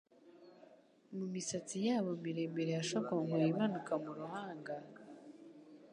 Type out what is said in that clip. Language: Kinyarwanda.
Mu misatsi yabo miremire yashokonkoye imanuka mu ruhanga,